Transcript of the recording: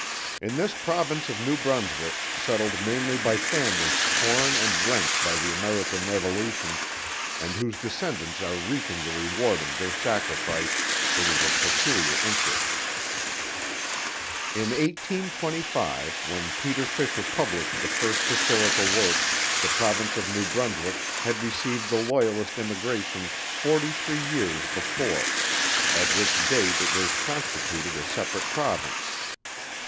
In this Province of New Brunswick, settled mainly by families torn and rent by the American revolution and whose descendants are reaping the reward of their sacrifice, it is of peculiar interest._ _In 1825, when Peter Fisher published the first Historical work, the Province of New Brunswick had received the loyalist immigration forty three years before, at which date it was constituted a separate Province.